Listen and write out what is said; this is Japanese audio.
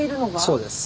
そうです。